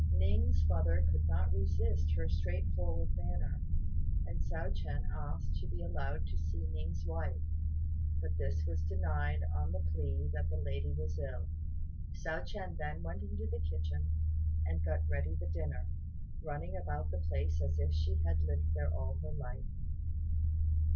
Ning's mother could not resist her straightforward manner, and Hsiao ch'ien asked to be allowed to see Ning's wife, but this was denied on the plea that the lady was ill. Hsiao ch'ien then went into the kitchen and got ready the dinner, running about the place as if she had lived there all her life.